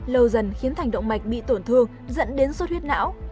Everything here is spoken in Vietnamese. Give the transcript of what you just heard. lâu dần khiến thành động mạch bị tổn thương dẫn đến sốt huyết não